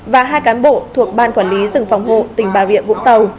và hai cán bộ thuộc ban quản lý rừng phòng hộ tỉnh bà rịa vũng tàu